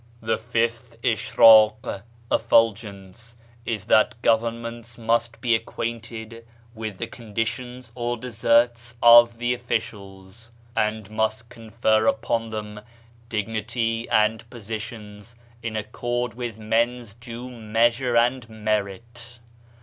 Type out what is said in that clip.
"The fifth Ishraq (effulgence) is that governments must be acquainted with the conditions (or deserts) of the officials, and must confer upon them dignity and positions in accord with (men's) due measure and merit.